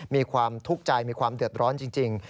มีความทุกข์ใจมีความเดือดร้อนจริง